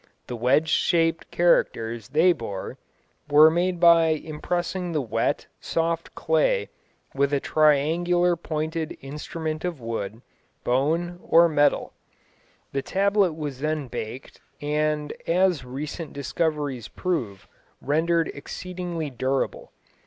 The wedge shaped characters they bore were made by impressing the wet, soft clay with a triangular pointed instrument of wood, bone, or metal. The tablet was then baked, and as recent discoveries prove, rendered exceedingly durable.